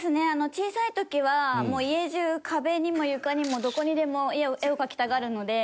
小さい時は家中壁にも床にもどこにでも絵を描きたがるので。